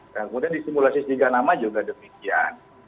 kemudian di simulasi tiga nama juga demikian